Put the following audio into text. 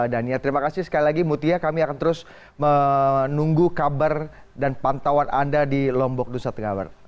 dan ya terima kasih sekali lagi mutia kami akan terus menunggu kabar dan pantauan anda di lombok indonesia tenggara barat